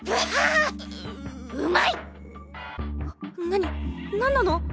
何なの！？